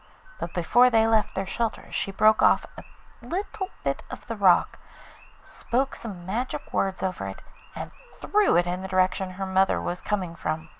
But before they left their shelter she broke off a little bit of the rock, spoke some magic words over it, and threw it in the direction her mother was coming from.